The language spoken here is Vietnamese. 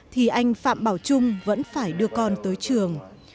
thì anh phạm bảo trung vẫn phải đưa con tới trường